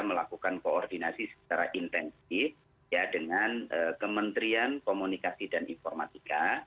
melakukan koordinasi secara intensif dengan kementerian komunikasi dan informatika